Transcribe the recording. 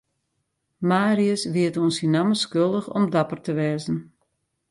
Marius wie it oan syn namme skuldich om dapper te wêze.